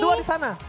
dua di sana